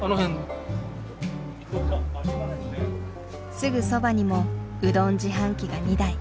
すぐそばにもうどん自販機が２台。